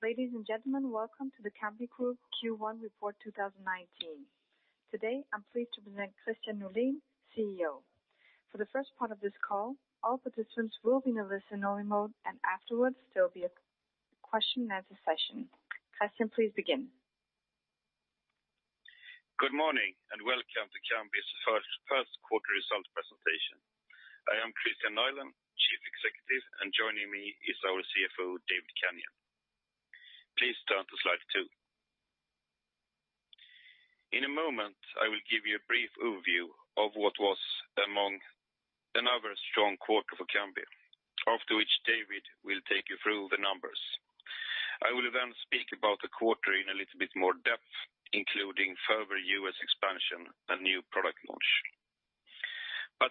Ladies and gentlemen, welcome to the Kambi Group Q1 Report 2019. Today, I'm pleased to present Kristian Nylén, CEO. For the first part of this call, all participants will be in a listen-only mode, and afterwards there will be a question and answer session. Kristian, please begin. Good morning, welcome to Kambi's first quarter results presentation. I am Kristian Nylén, Chief Executive, and joining me is our CFO, David Kenyon. Please turn to slide two. In a moment, I will give you a brief overview of what was among another strong quarter for Kambi, after which David will take you through the numbers. I will then speak about the quarter in a little bit more depth, including further U.S. expansion and new product launch.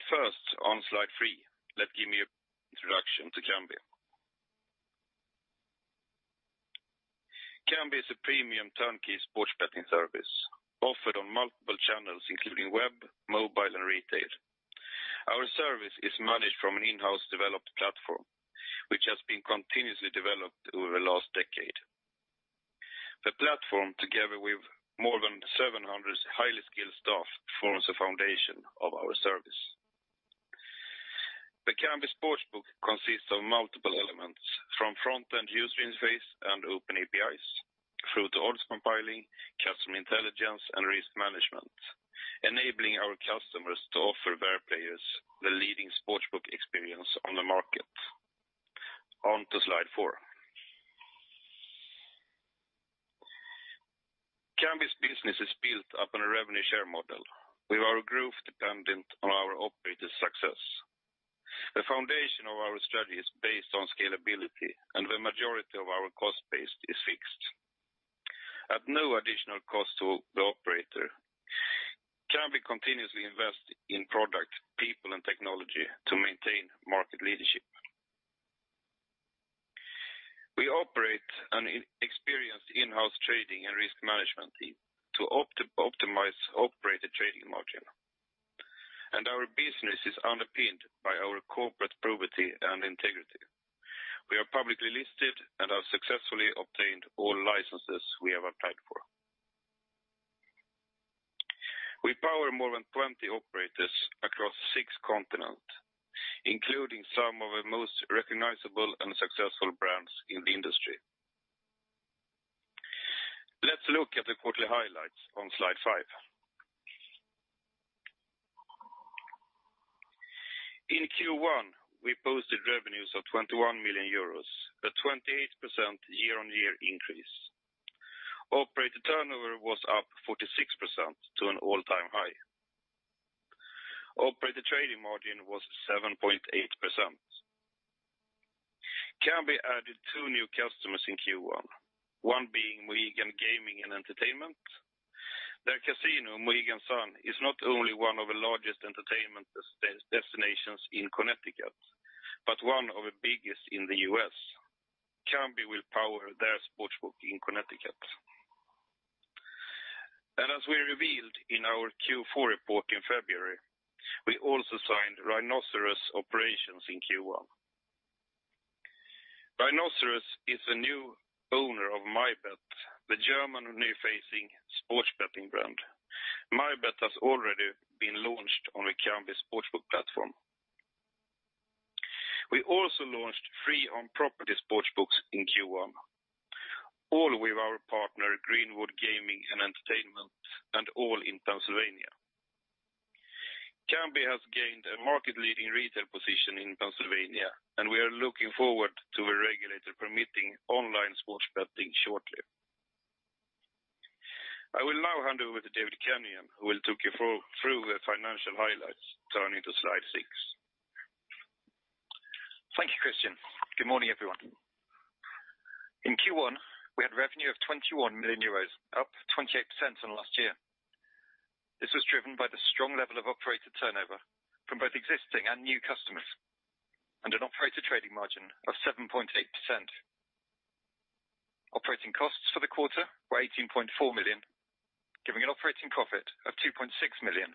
First, on slide three, let me give an introduction to Kambi. Kambi is a premium turnkey sports betting service offered on multiple channels, including web, mobile, and retail. Our service is managed from an in-house developed platform, which has been continuously developed over the last decade. The platform, together with more than 700 highly skilled staff, forms the foundation of our service. The Kambi sportsbook consists of multiple elements from front-end user interface and open APIs through to odds compiling, customer intelligence, and risk management, enabling our customers to offer their players the leading sportsbook experience on the market. On to slide four. Kambi's business is built upon a revenue share model with our growth dependent on our operator success. The foundation of our strategy is based on scalability, the majority of our cost base is fixed. At no additional cost to the operator, Kambi continuously invest in product, people, and technology to maintain market leadership. We operate an experienced in-house trading and risk management team to optimize operator trading margin, our business is underpinned by our corporate probity and integrity. We are publicly listed and have successfully obtained all licenses we have applied for. We power more than 20 operators across six continent, including some of the most recognizable and successful brands in the industry. Let's look at the quarterly highlights on slide five. In Q1, we posted revenues of 21 million euros, a 28% year-on-year increase. Operator turnover was up 46% to an all-time high. Operator trading margin was 7.8%. Kambi added two new customers in Q1, one being Mohegan Gaming & Entertainment. Their casino, Mohegan Sun, is not only one of the largest entertainment destinations in Connecticut, but one of the biggest in the U.S. Kambi will power their sportsbook in Connecticut. As we revealed in our Q4 report in February, we also signed Rhinoceros Operations in Q1. Rhinoceros is a new owner of MyBet, the German-facing sports betting brand. MyBet has already been launched on a Kambi sportsbook platform. We also launched three on-property sports books in Q1, all with our partner Greenwood Gaming & Entertainment, and all in Pennsylvania. Kambi has gained a market leading retail position in Pennsylvania, and we are looking forward to a regulator permitting online sports betting shortly. I will now hand over to David Kenyon, who will talk you through the financial highlights. Turning to slide six. Thank you, Kristian. Good morning, everyone. In Q1, we had revenue of 21 million euros, up 28% on last year. This was driven by the strong level of operator turnover from both existing and new customers, and an operator trading margin of 7.8%. Operating costs for the quarter were 18.4 million, giving an operating profit of 2.6 million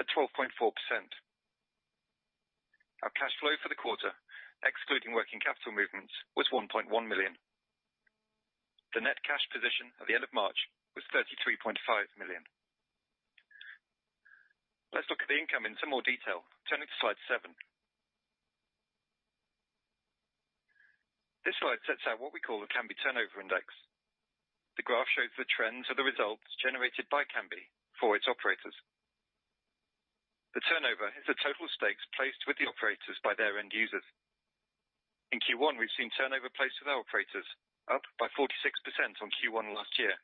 at 12.4%. Our cash flow for the quarter, excluding working capital movements, was 1.1 million. The net cash position at the end of March was 33.5 million. Let's look at the income in some more detail, turning to slide seven. This slide sets out what we call the Kambi turnover index. The graph shows the trends of the results generated by Kambi for its operators. The turnover is the total stakes placed with the operators by their end users. In Q1, we've seen turnover placed with our operators up by 46% on Q1 last year,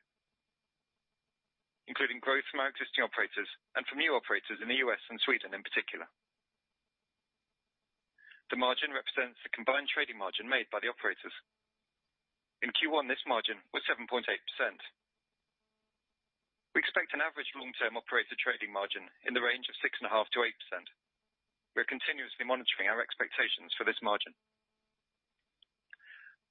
including growth from our existing operators and from new operators in the U.S. and Sweden in particular. The margin represents the combined trading margin made by the operators. In Q1, this margin was 7.8%. We expect an average long-term operator trading margin in the range of 6.5%-8%. We are continuously monitoring our expectations for this margin.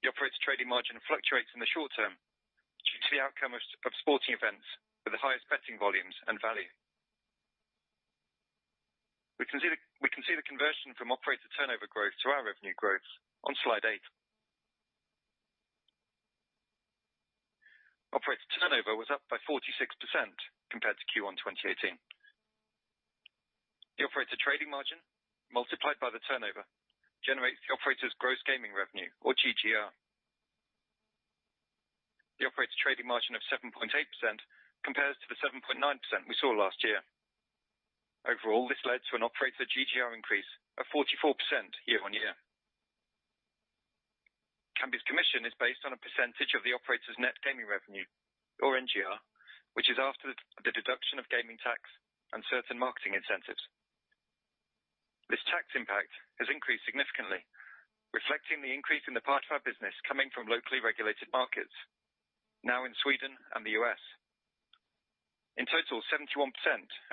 The operator trading margin fluctuates in the short term due to the outcome of sporting events with the highest betting volumes and value. We can see the conversion from operator turnover growth to our revenue growth on slide eight. Operator turnover was up by 46% compared to Q1 2018. The operator trading margin multiplied by the turnover generates the operator's gross gaming revenue or GGR. The operator's trading margin of 7.8% compares to the 7.9% we saw last year. Overall, this led to an operator GGR increase of 44% year-over-year. Kambi's commission is based on a percentage of the operator's net gaming revenue or NGR, which is after the deduction of gaming tax and certain marketing incentives. This tax impact has increased significantly, reflecting the increase in the part of our business coming from locally regulated markets, now in Sweden and the U.S. In total, 71%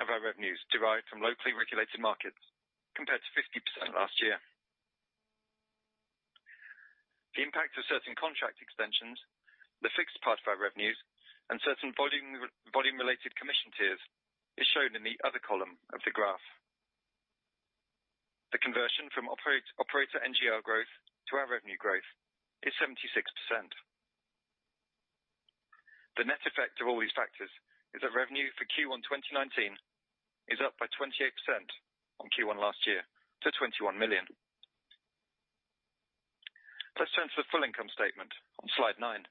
of our revenues derive from locally regulated markets, compared to 50% last year. The impact of certain contract extensions, the fixed part of our revenues, and certain volume-related commission tiers is shown in the other column of the graph. The conversion from operator NGR growth to our revenue growth is 76%. The net effect of all these factors is that revenue for Q1 2019 is up by 28% on Q1 last year to 21 million. Let's turn to the full income statement on slide nine.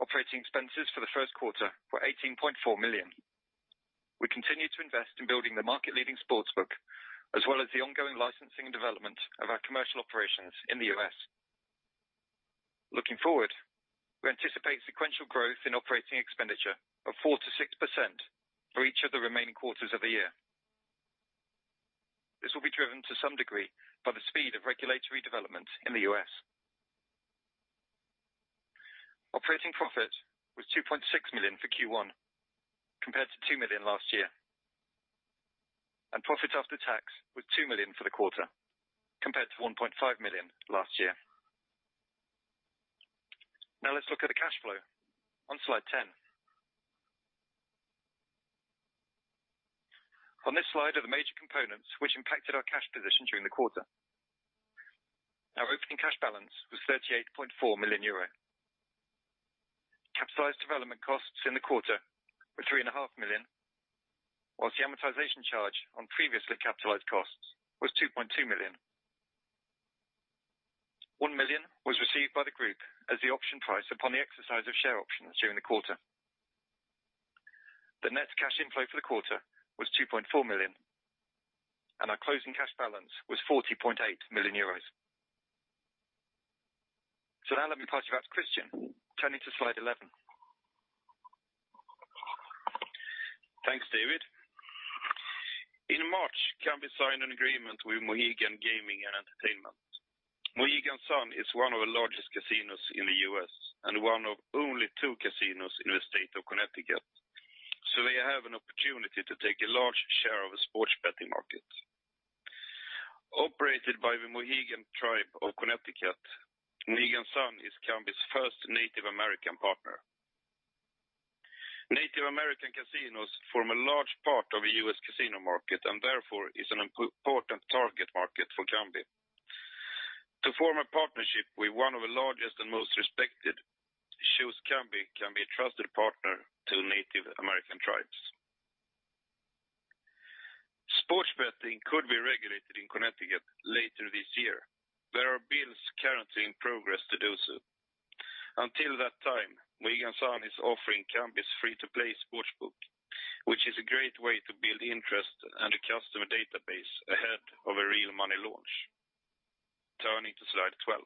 Operating expenses for the first quarter were 18.4 million. We continue to invest in building the market-leading sportsbook, as well as the ongoing licensing and development of our commercial operations in the U.S. Looking forward, we anticipate sequential growth in operating expenditure of 4%-6% for each of the remaining quarters of the year. This will be driven to some degree by the speed of regulatory development in the U.S. Operating profit was 2.6 million for Q1, compared to 2 million last year, and profit after tax was 2 million for the quarter, compared to 1.5 million last year. Now let's look at the cash flow on slide 10. On this slide are the major components which impacted our cash position during the quarter. Our opening cash balance was 38.4 million euro. Capitalized development costs in the quarter were three and a half million, whilst the amortization charge on previously capitalized costs was 2.2 million. 1 million was received by the group as the option price upon the exercise of share options during the quarter. The net cash inflow for the quarter was 2.4 million, and our closing cash balance was 40.8 million euros. Now let me pass you back to Kristian, turning to slide 11. Thanks, David. In March, Kambi signed an agreement with Mohegan Gaming & Entertainment. Mohegan Sun is one of the largest casinos in the U.S. and one of only two casinos in the state of Connecticut, so they have an opportunity to take a large share of the sports betting market. Operated by the Mohegan Tribe of Connecticut, Mohegan Sun is Kambi's first Native American partner. Native American casinos form a large part of the U.S. casino market and therefore is an important target market for Kambi. To form a partnership with one of the largest and most respected shows Kambi can be a trusted partner to Native American tribes. Sports betting could be regulated in Connecticut later this year. There are bills currently in progress to do so. Until that time, Mohegan Sun is offering Kambi's free-to-play sportsbook, which is a great way to build interest and a customer database ahead of a real money launch. Turning to slide 12.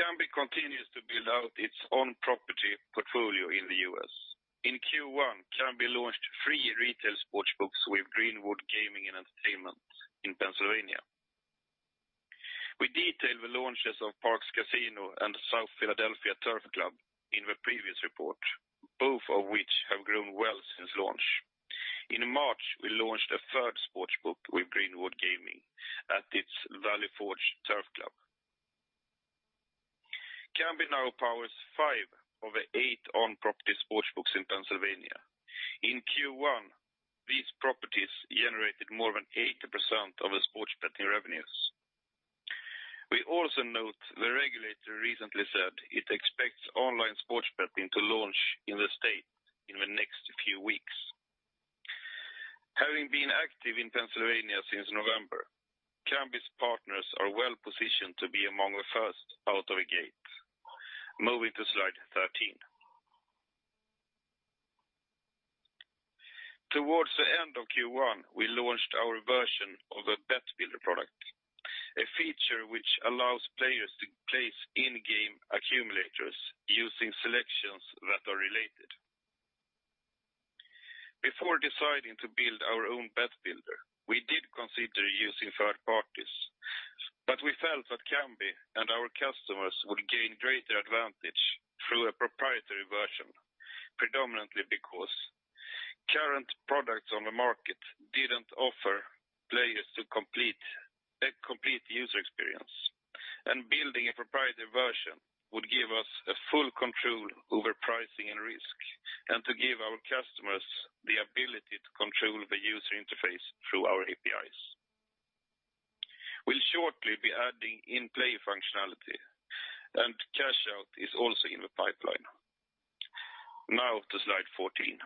Kambi continues to build out its own property portfolio in the U.S. In Q1, Kambi launched three retail sportsbooks with Greenwood Gaming & Entertainment in Pennsylvania. We detailed the launches of Parx Casino and South Philadelphia Turf Club in the previous report, both of which have grown well since launch. In March, we launched a third sportsbook with Greenwood Gaming at its Valley Forge Turf Club. Kambi now powers five of the eight on-property sportsbooks in Pennsylvania. In Q1, these properties generated more than 80% of the sports betting revenues. We also note the regulator recently said it expects online sports betting to launch in the state in the next few weeks. Having been active in Pennsylvania since November, Kambi's partners are well-positioned to be among the first out of the gate. Moving to slide 13. Towards the end of Q1, we launched our version of a Bet Builder product, a feature which allows players to place in-game accumulators using selections that are related. Before deciding to build our own Bet Builder, we did consider using third parties, but we felt that Kambi and our customers would gain greater advantage through a proprietary version, predominantly because current products on the market didn't offer players a complete user experience, and building a proprietary version would give us a full control over pricing and risk, and to give our customers the ability to control the user interface through our APIs. We'll shortly be adding in-play functionality, and cash out is also in the pipeline. Now to slide 14.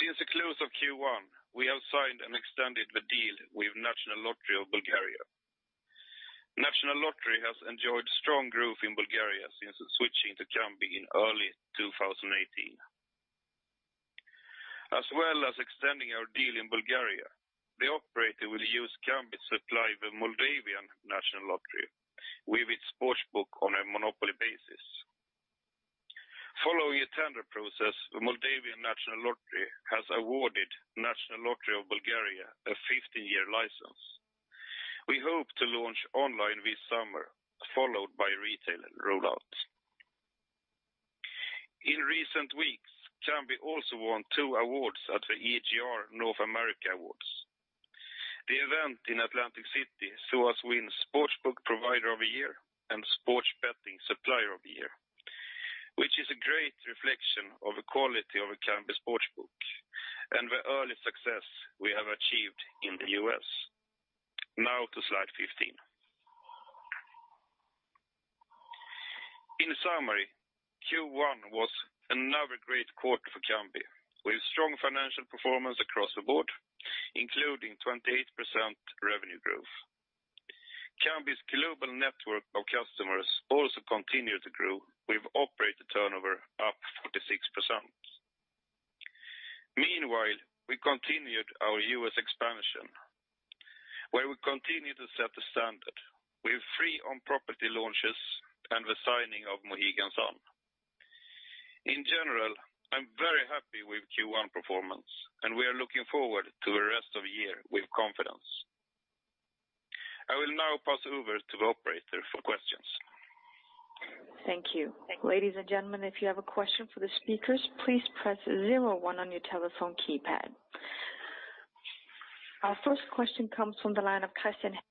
Since the close of Q1, we have signed and extended the deal with National Lottery of Bulgaria. National Lottery has enjoyed strong growth in Bulgaria since switching to Kambi in early 2018. As well as extending our deal in Bulgaria, the operator will use Kambi to supply the National Lottery of Moldova with its Sportsbook on a monopoly basis. Following a tender process, the National Lottery of Moldova has awarded National Lottery of Bulgaria a 15-year license. We hope to launch online this summer, followed by retail and rollout. In recent weeks, Kambi also won two awards at the EGR North America Awards. The event in Atlantic City saw us win Sportsbook Provider of the Year and Sports Betting Supplier of the Year, which is a great reflection of the quality of the Kambi Sportsbook and the early success we have achieved in the U.S. Now to slide 15. In summary, Q1 was another great quarter for Kambi, with strong financial performance across the board, including 28% revenue growth. Kambi's global network of customers also continued to grow with operator turnover up 46%. Meanwhile, we continued our U.S. expansion, where we continue to set the standard with three on-property launches and the signing of Mohegan Sun. In general, I'm very happy with Q1 performance. We are looking forward to the rest of the year with confidence. I will now pass over to the operator for questions. Thank you. Ladies and gentlemen, if you have a question for the speakers, please press 01 on your telephone keypad. Our first question comes from the line of Kristian. Hello,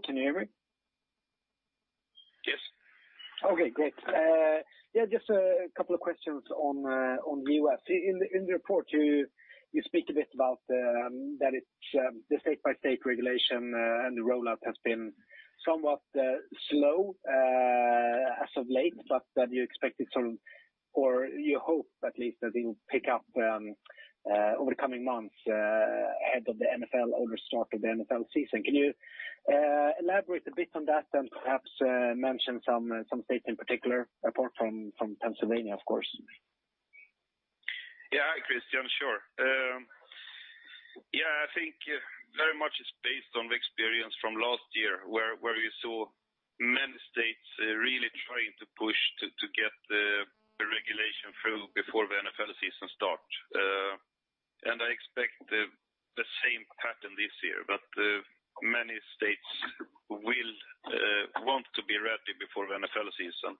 can you hear me? Yes. Okay, great. Yeah, just a couple of questions on the U.S. In the report, you speak a bit about that it's the state-by-state regulation and the rollout has been somewhat slow as of late, but that you expect it, or you hope at least that it will pick up over the coming months ahead of the NFL, or the start of the NFL season. Can you elaborate a bit on that and perhaps mention some states in particular, apart from Pennsylvania, of course? Yeah, Kristian, sure. Yeah, I think very much it's based on the experience from last year, where you saw many states really trying to push to get the regulation through before the NFL season start. I expect the same pattern this year, that many states will want to be ready before the NFL season.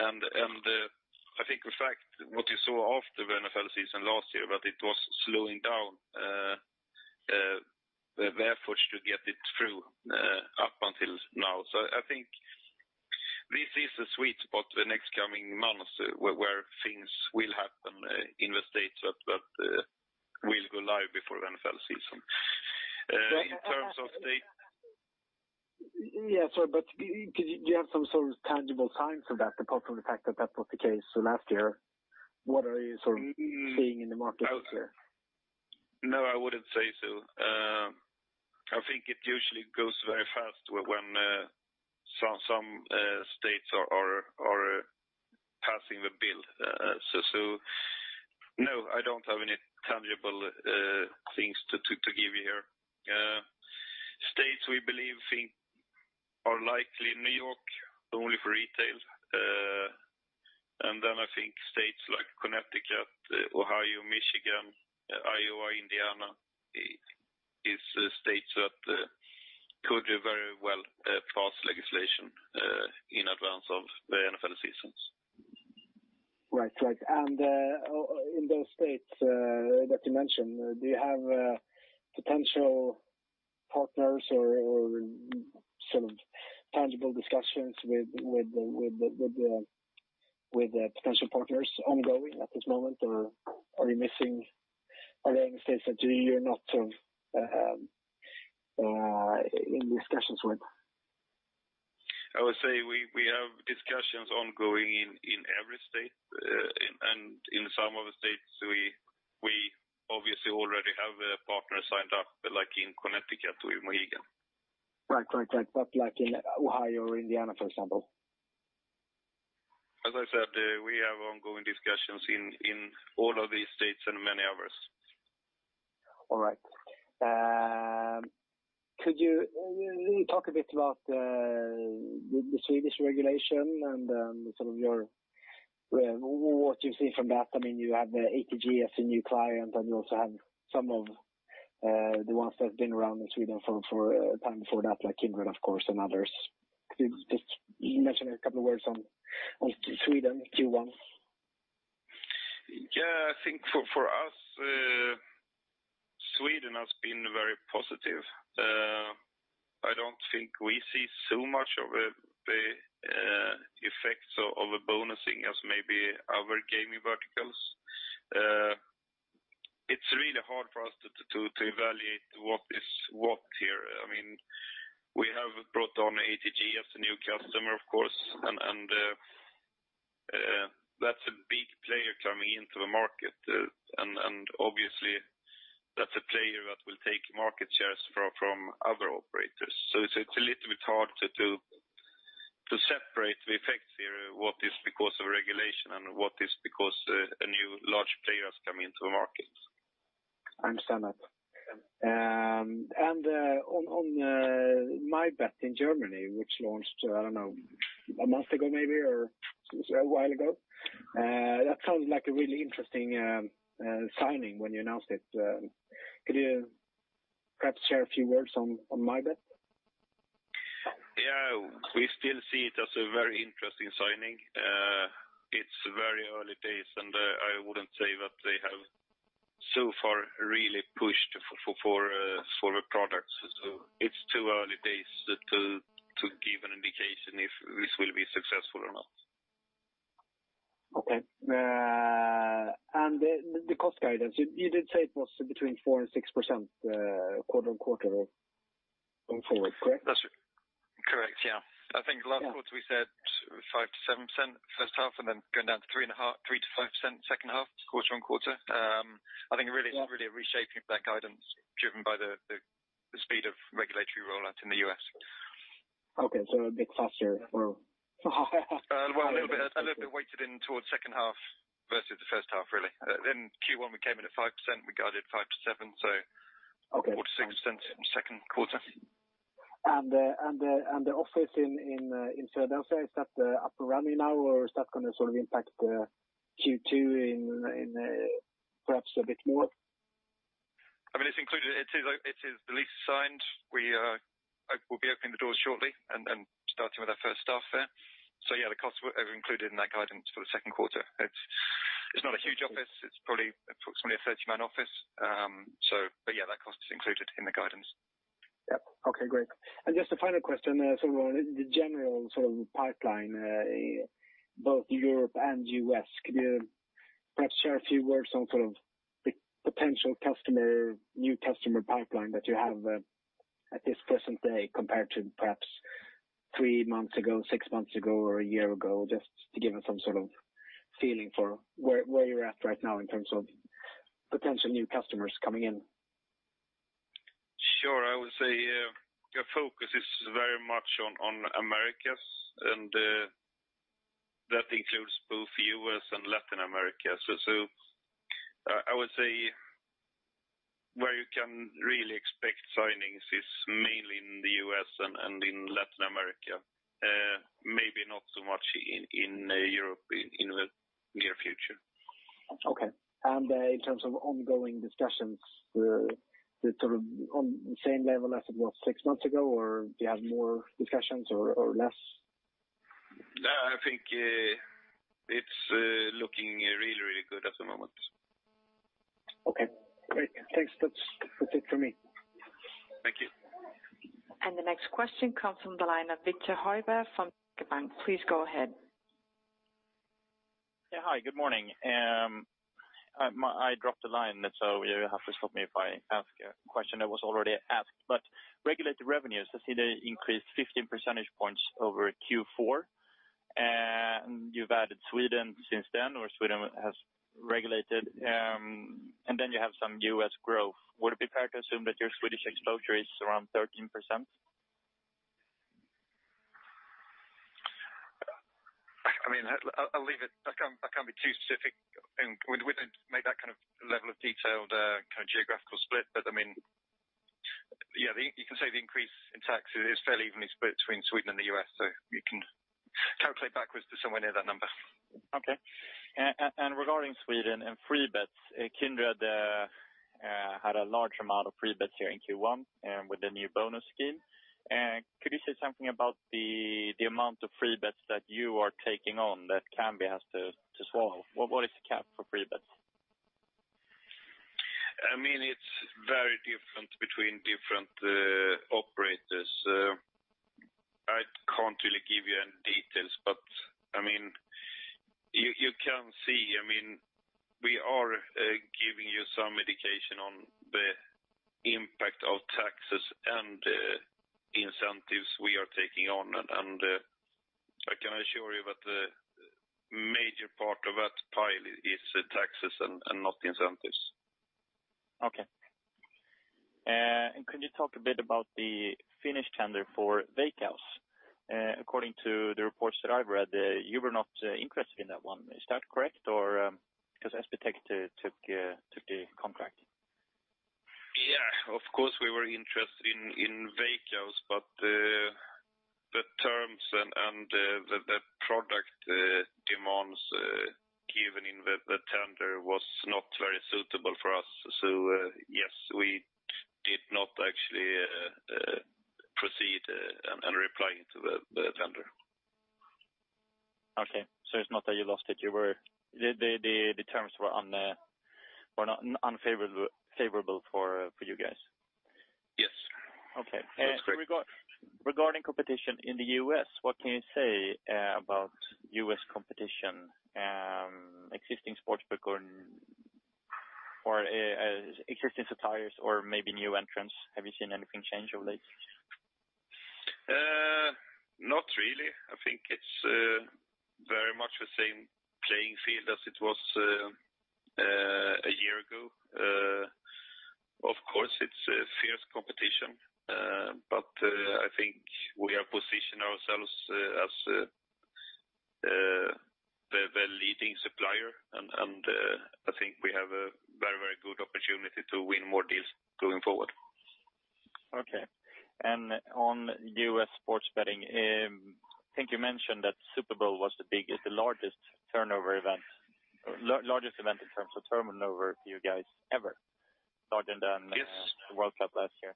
I think in fact, what you saw after the NFL season last year that it was slowing down their efforts to get it through up until now. I think this is a sweet spot the next coming months where things will happen in the states that will go live before the NFL season. Yeah, sorry, do you have some sort of tangible signs of that apart from the fact that that was the case last year? What are you sort of seeing in the market out there? No, I wouldn't say so. I think it usually goes very fast when some states are passing the bill. No, I don't have any tangible things to give you here. States we believe are likely New York, only for retail. Then I think states like Connecticut, Ohio, Michigan, Iowa, Indiana is states that could very well pass legislation in advance of the NFL seasons. Right. In those states that you mentioned, do you have potential partners or sort of tangible discussions with potential partners ongoing at this moment, or are you missing other states that you are not in discussions with? I would say we have discussions ongoing in every state. In some of the states we obviously already have a partner signed up, like in Connecticut with Mohegan. Right. What about in Ohio or Indiana, for example? As I said, we have ongoing discussions in all of these states and many others. All right. Could you talk a bit about the Swedish regulation and what you've seen from that? You have the ATG as a new client, and you also have some of the ones that have been around in Sweden for a time before that, like Kindred, of course, and others. Could you just mention a couple of words on Sweden Q1? Yeah, I think for us, Sweden has been very positive. I don't think we see so much of the effects of bonusing as maybe our gaming verticals. It's really hard for us to evaluate what is what here. We have brought on ATG as a new customer, of course, and that's a big player coming into the market. Obviously, that's a player that will take market shares from other operators. It's a little bit hard to separate the effects here, what is because of regulation and what is because a new large player is coming into the market. I understand that. On MyBet in Germany, which launched, I don't know, a month ago maybe, or a while ago. That sounded like a really interesting signing when you announced it. Could you perhaps share a few words on MyBet? Yeah. We still see it as a very interesting signing. It is very early days. I wouldn't say that they have so far really pushed for products. It is too early days to give an indication if this will be successful or not. Okay. The cost guidance, you did say it was between 4% and 6% quarter-on-quarter going forward, correct? That's correct, yeah. I think last quarter we said 5%-7% first half, then going down to 3%-5% second half, quarter-on-quarter. I think really it's a reshaping of that guidance driven by the speed of regulatory rollout in the U.S. Okay. Well, a little bit weighted in towards second half versus the first half, really. In Q1, we came in at 5%, we guided 5 to 7. Okay towards 6% in the second quarter. The office in Södertälje, is that up and running now, or is that going to impact Q2 perhaps a bit more? It is the lease signed. We'll be opening the doors shortly and starting with our first staff there. Yeah, the costs were included in that guidance for the second quarter. It's not a huge office. It's probably approximately a 30-man office. Yeah, that cost is included in the guidance. Yep. Okay, great. Just a final question, the general pipeline, both Europe and U.S., could you perhaps share a few words on the potential new customer pipeline that you have at this present day compared to perhaps three months ago, six months ago, or a year ago, just to give us some sort of feeling for where you're at right now in terms of potential new customers coming in? Sure. I would say the focus is very much on Americas. That includes both U.S. and Latin America. I would say where you can really expect signings is mainly in the U.S. and in Latin America. Maybe not so much in Europe in the near future. Okay. In terms of ongoing discussions, on the same level as it was six months ago, or do you have more discussions or less? I think it's looking really, really good at the moment. Okay, great. Thanks. That's it for me. Thank you. The next question comes from the line of Victor Huijber from Kempen & Co. Please go ahead. Yeah, hi. Good morning. I dropped the line, so you have to stop me if I ask a question that was already asked. Regulated revenues, I see they increased 15 percentage points over Q4. You've added Sweden since then, or Sweden has regulated, and then you have some U.S. growth. Would it be fair to assume that your Swedish exposure is around 13%? We can't be too specific, we didn't make that kind of level of detail, the kind of geographical split. You can say the increase in tax is fairly evenly split between Sweden and the U.S., so you can calculate backwards to somewhere near that number. Okay. Regarding Sweden and free bets, Kindred had a large amount of free bets here in Q1 with the new bonus scheme. Could you say something about the amount of free bets that you are taking on that Kambi has to swallow? What is the cap for free bets? It's very different between different operators. I can't really give you any details, but you can see, we are giving you some indication on the impact of taxes and the incentives we are taking on. I can assure you that the major part of that pile is the taxes and not the incentives. Okay. Could you talk a bit about the Finnish tender for Veikkaus? According to the reports that I've read, you were not interested in that one. Is that correct? Because SBTech took the contract. Yeah, of course, we were interested in Veikkaus, but the terms and the product demands given in the tender was not very suitable for us. Yes, we did not actually proceed and reply to the tender. Okay. It's not that you lost it, the terms were unfavorable for you guys? Yes. Okay. That's correct. Regarding competition in the U.S., what can you say about U.S. competition existing sportsbook or existing suppliers or maybe new entrants? Have you seen anything change of late? Not really. I think it's very much the same playing field as it was a year ago. Of course, it's a fierce competition, but I think we have positioned ourselves as the leading supplier, and I think we have a very good opportunity to win more deals going forward. Okay. On U.S. sports betting, I think you mentioned that Super Bowl was the largest event in terms of turnover for you guys ever. Yes. Larger than the World Cup last year.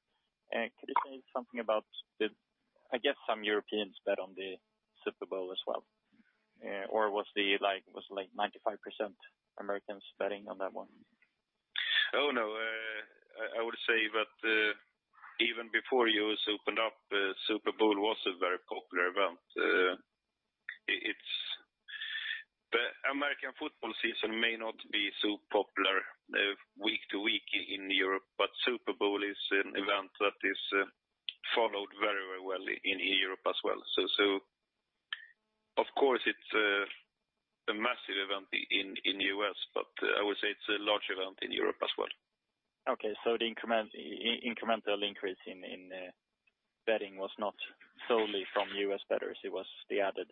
Could you say something about the I guess some Europeans bet on the Super Bowl as well. Was it 95% Americans betting on that one? Oh, no. I would say that even before U.S. opened up, Super Bowl was a very popular event. The American football season may not be so popular week to week in Europe, but Super Bowl is an event that is followed very well in Europe as well. Of course, it's a massive event in U.S., but I would say it's a large event in Europe as well. Okay. The incremental increase in betting was not solely from U.S. bettors. It was the added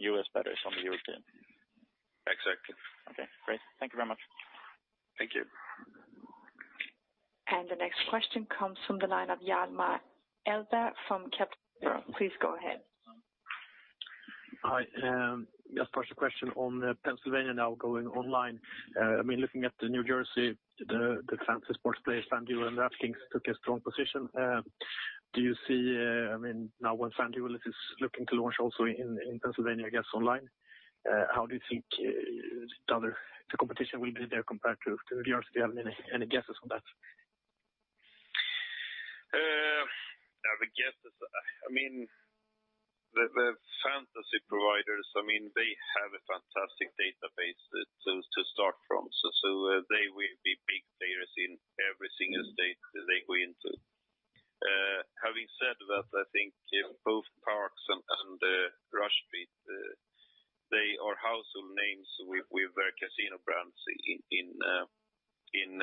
U.S. bettors from the European. Exactly. Okay, great. Thank you very much. Thank you. The next question comes from the line of Hjalmar Ahlberg from Kepler. Please go ahead. Hi. Just first a question on Pennsylvania now going online. Looking at the New Jersey, the fantasy sports players, FanDuel and DraftKings took a strong position. When FanDuel is looking to launch also in Pennsylvania, I guess online, how do you think the competition will be there compared to New Jersey? Do you have any guesses on that? The guesses. The fantasy providers, they have a fantastic database to start from. They will be big players in every single state that they go into. Having said that, I think both Parx and Rush Street, they are household names with their casino brands in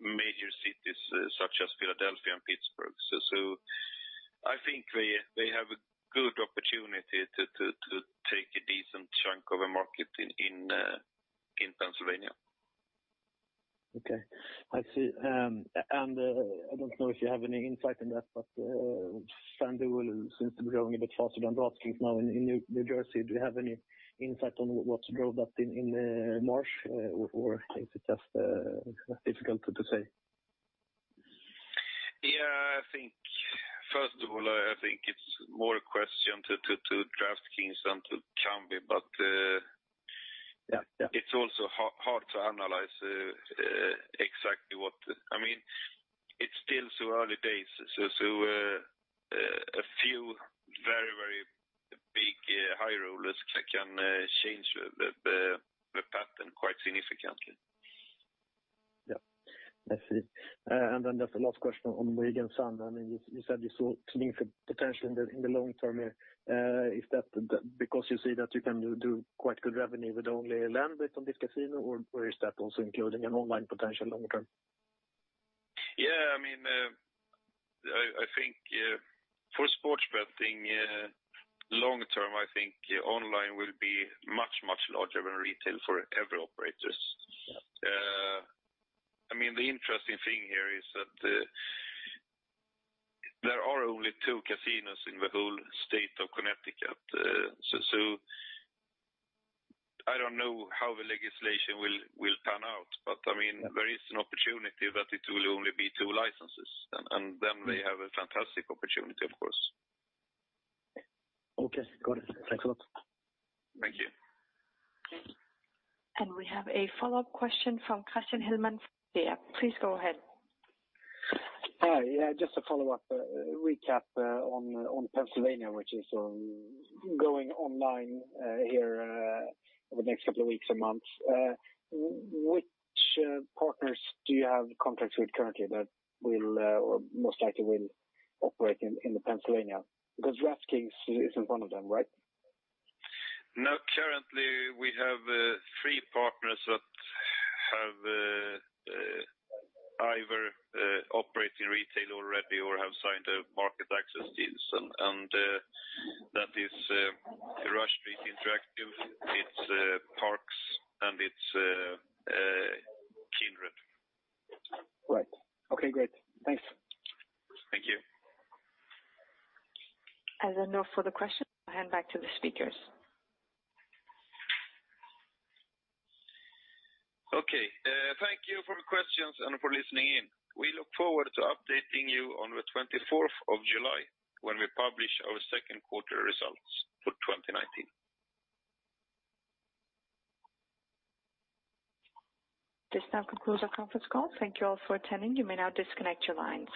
major cities such as Philadelphia and Pittsburgh. I think they have a good opportunity to take a decent chunk of the market in Pennsylvania. Okay. I see. I don't know if you have any insight in that, but FanDuel seems to be growing a bit faster than DraftKings now in New Jersey. Do you have any insight on what's drove that in March, or is it just difficult to say? Yeah. First of all, I think it's more a question to DraftKings than to Kambi. Yeah it's also hard to analyze exactly what. It's still too early days, a few very big high rollers can change the pattern quite significantly. Yeah. I see. Just the last question on Mohegan Sun. You said you saw significant potential in the long term here. Is that because you see that you can do quite good revenue with only land-based on this casino, or is that also including an online potential long term? Yeah. For sports betting, long term, I think online will be much larger than retail for every operator. Yeah. The interesting thing here is that there are only two casinos in the whole state of Connecticut. I don't know how the legislation will pan out, but there is an opportunity that it will only be two licenses, and then they have a fantastic opportunity, of course. Okay. Got it. Thanks a lot. Thank you. We have a follow-up question from Kristian Hellman from DNB. Please go ahead. Hi. Just a follow-up recap on Pennsylvania, which is going online here over the next couple of weeks and months. Which partners do you have contracts with currently that will, or most likely will operate in the Pennsylvania? Because DraftKings is one of them, right? No, currently, we have three partners that have either operate in retail already or have signed market access deals, and that is Rush Street Interactive, it's Parx, and it's Kindred. Right. Okay, great. Thanks. Thank you. As there are no further questions, I hand back to the speakers. Okay. Thank you for the questions and for listening in. We look forward to updating you on the 24th of July when we publish our second quarter results for 2019. This now concludes our conference call. Thank you all for attending. You may now disconnect your lines.